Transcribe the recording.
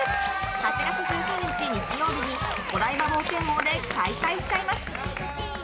８月１３日、日曜日にお台場冒険王で開催しちゃいます。